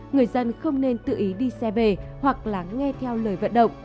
người dân không nên tự ý đi xe về hoặc là nghe theo lời vận động